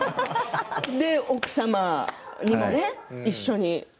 奥様にもね一緒に。